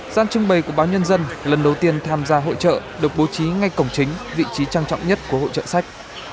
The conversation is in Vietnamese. gian trưng bày của báo nhân dân lần đầu tiên tham gia hội trợ được bố trí ngay cổng chính vị trí trang trọng nhất của hội trợ sách